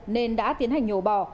nên đã tiến hành nhổ bò